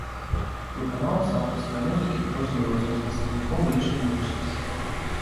Выканаўцы аўтарскай музыкі адрозніваюцца ад прадстаўнікоў іншых музычных сфер.